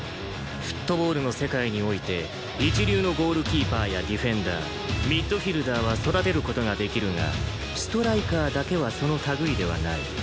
フットボールの世界において一流のゴールキーパーやディフェンダーミッドフィールダーは育てる事ができるがストライカーだけはその類いではない